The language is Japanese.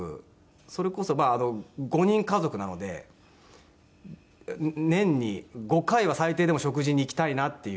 それこそまあ５人家族なので年に５回は最低でも食事に行きたいなっていう。